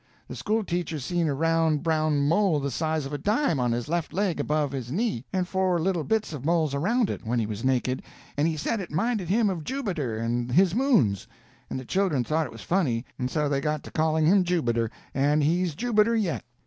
The school teacher seen a round brown mole the size of a dime on his left leg above his knee, and four little bits of moles around it, when he was naked, and he said it minded him of Jubiter and his moons; and the children thought it was funny, and so they got to calling him Jubiter, and he's Jubiter yet.